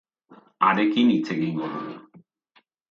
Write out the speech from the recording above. Harekin hitz egingo dugu.